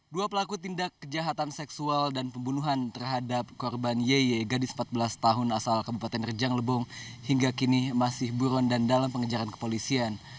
dua pelaku tindak kejahatan seksual dan pembunuhan terhadap korban yeye gadis empat belas tahun asal kabupaten rejang lebong hingga kini masih buron dan dalam pengejaran kepolisian